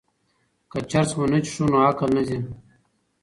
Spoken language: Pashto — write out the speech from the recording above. که چرس ونه څښو نو عقل نه ځي.